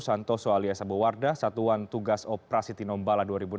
santoso alias abu wardah satuan tugas operasi tinombala dua ribu enam belas